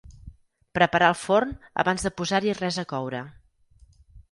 Preparar el forn abans de posar-hi res a coure.